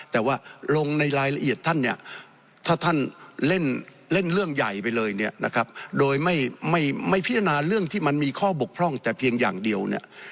แต่ว่าลงในรายละเอียดท่านเนี่ยถ้าท่านเล่นเรื่องใหญ่ไปเลยเนี่ยนะครับโดยไม่พิจารณาเรื่องที่มันมีข้อบกพร่องแต่เพียงอย่างเดียวเนี่ย